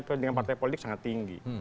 kepentingan partai politik sangat tinggi